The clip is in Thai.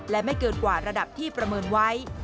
และไม่เกินกว่าระดับที่ประเมินไว้